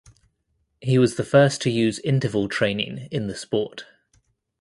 He was the first to use interval training in the sport.